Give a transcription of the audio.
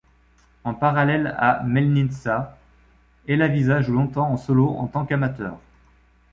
En parallèle à Melnitsa, Helavisa joue longtemps en solo en tant qu'amateure.